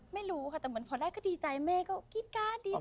ไม่รู้ค่ะแต่เหมือนพอแรกก็ดีใจแม่ก็กรี๊ดการ์ดดี